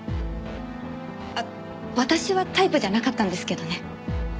あっ私はタイプじゃなかったんですけどね。